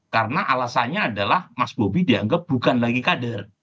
karena alasannya adalah mas bobi dianggap bukan lagi kader